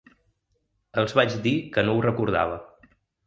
Els vaig dir que no ho recordava.